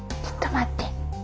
ちょっと待って。